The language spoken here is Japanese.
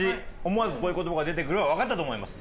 思わずこういう言葉が出てくるはわかったと思います。